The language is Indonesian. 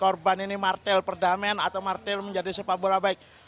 korban ini martel perdamaian atau martel menjadi sepak bola baik